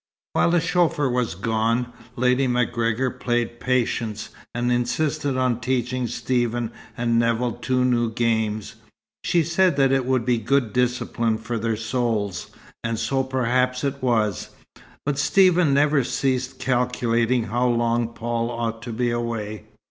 While the chauffeur was gone, Lady MacGregor played Patience and insisted on teaching Stephen and Nevill two new games. She said that it would be good discipline for their souls; and so perhaps it was. But Stephen never ceased calculating how long Paul ought to be away.